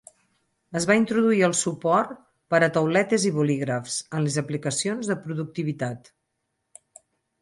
Es va introduir el suport per a tauletes i bolígrafs en les aplicacions de productivitat.